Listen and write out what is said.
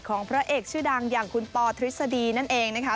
พระเอกชื่อดังอย่างคุณปอทฤษฎีนั่นเองนะคะ